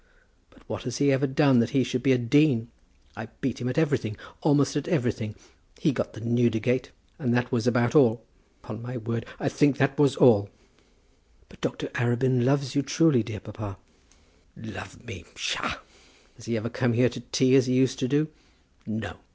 But what has he ever done that he should be a dean? I beat him at everything; almost at everything. He got the Newdegate, and that was about all. Upon my word I think that was all." "But Dr. Arabin loves you truly, dear papa." "Love me! psha! Does he ever come here to tea, as he used to do? No!